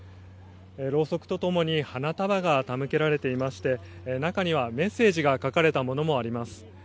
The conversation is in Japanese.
ろうそくとともに花束が手向けられていまして中にはメッセージが書かれたものもあります。